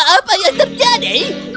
apa yang terjadi